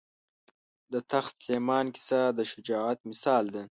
د تخت سلیمان کیسه د شجاعت مثال ده.